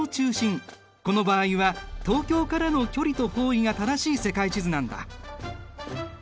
この場合は東京からの距離と方位が正しい世界地図なんだ。